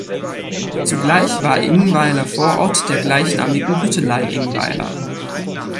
Zugleich war Ingweiler Vorort der gleichnamigen Büttelei Ingweiler.